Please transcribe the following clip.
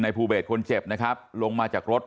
ภูเบสคนเจ็บนะครับลงมาจากรถ